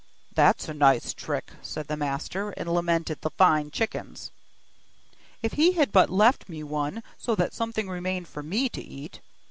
'That's a nice trick!' said her master, and lamented the fine chickens. 'If he had but left me one, so that something remained for me to eat.